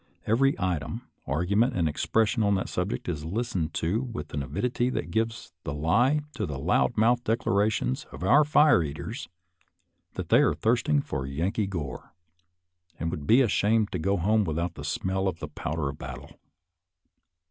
Every item, argument, and expression on that subject is lis tened to with an avidity that gives the lie to the loud mouthed declarations of our fire eaters, that they are thirsting for Yankee gore, and would be ashamed to go home without a smell of the powder of battle.